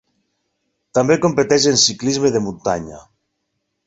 També competeix en ciclisme de muntanya.